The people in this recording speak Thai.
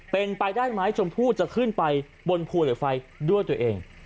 เป็นไปได้ไหมชมพู่จะขึ้นไปบนภูเหล็กไฟด้วยตัวเอง